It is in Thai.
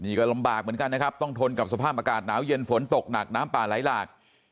นี่ก็ลำบากเหมือนกันนะครับต้องทนกับสภาพอากาศหนาวเย็นฝนตกหนักน้ำป่าไหลหลาก